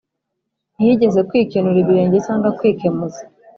Ntiyigeze kwikenura ibirenge cyangwa kwikemuza